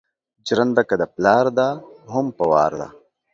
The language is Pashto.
جرنده که دا پلار ده هم په وار ده